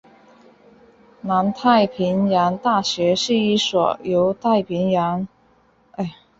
南太平洋大学是一所由大洋洲十几个国家共同创办的公立大学。